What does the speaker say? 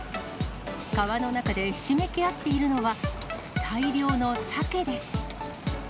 川の中でひしめき合っているのは、大量のサケです。